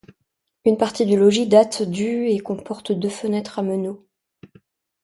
Une partie du logis date du et comporte deux fenêtres à meneaux.